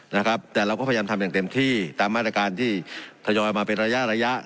นะครับแต่เราก็พยายามทำอย่างเต็มที่ตามมาตรการที่ทยอยมาเป็นระยะระยะ